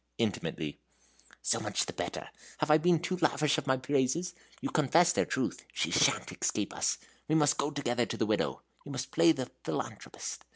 "Intimately." "So much the better. Have I been too lavish of my praises? You confess their truth? She sha'n't escape us. We must go together to the widow; you must play the philanthropist.